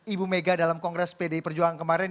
ibu mega dalam kongres pdi perjuangan kemarin